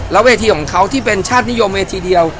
แล้วเวทีของเขาที่เป็นชาตินิยมเวทีเดียว